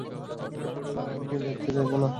আর আমি দেখতে চাইবোও না।